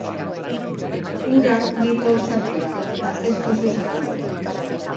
Urak nahiko hotzak dira, eta ez oso sakonak.